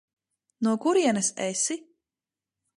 No kurienes esi?